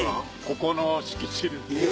ここの敷地です。